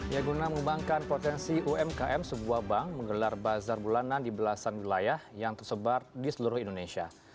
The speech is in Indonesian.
ya guna mengembangkan potensi umkm sebuah bank menggelar bazar bulanan di belasan wilayah yang tersebar di seluruh indonesia